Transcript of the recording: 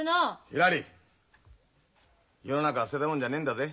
ひらり世の中捨てたもんじゃねえんだぜ。